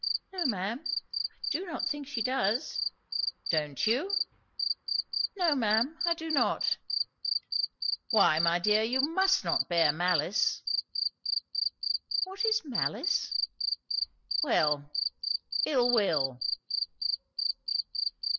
"No, ma'am, I do not think she does." "Don't you!" "No, ma'am. I do not" "Why, my dear, you must not bear malice." "What is 'malice'?" "Well, ill will."